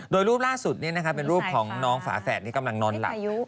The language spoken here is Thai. โดยรูปล่าสุดนี้เป็นรูปของน้องฝาแฝดที่กำลังนอนหลับ